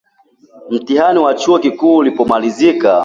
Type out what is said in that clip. Mtihani wa chuo kikuu ulipomalizika